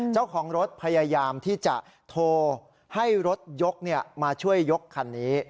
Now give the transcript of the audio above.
เจ้าของรถพยายามที่จะโทรให้รถยกมาช่วยยกคันนี้